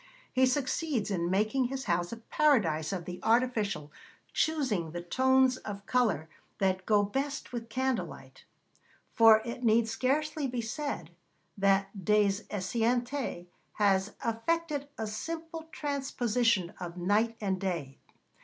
He succeeds in making his house a paradise of the artificial, choosing the tones of colour that go best with candle light, for it need scarcely be said that Des Esseintes has effected a simple transposition of night and day.